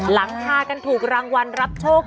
หลังคากันถูกรางวัลรับโชค